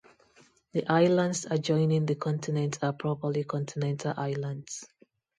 The islands adjoining the continents are properly continental islands.